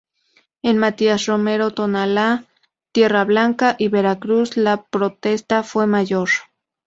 En Matías Romero, Tonalá, Tierra Blanca y Veracruz la protesta fue mayor.